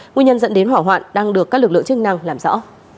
nguyên nhân dẫn đến hỏa hoạn đang được các lực lượng chức năng làm rõ